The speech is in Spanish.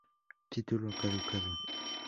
Título caducado